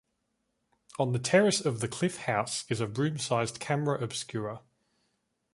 On the terrace of the Cliff House is a room-sized camera obscura.